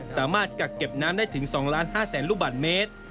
สามารถกักเก็บน้ำได้ถึง๒๕๐๐๐๐๐ลูกบันเมตร